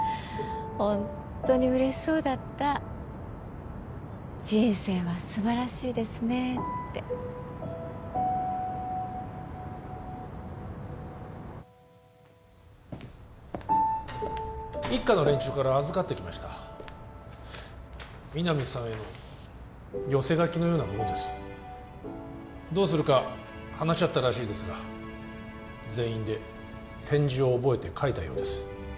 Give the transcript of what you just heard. ホントに嬉しそうだった「人生は素晴らしいですね」って一課の連中から預かってきました皆実さんへの寄せ書きのようなものですどうするか話し合ったらしいですが全員で点字を覚えて書いたようです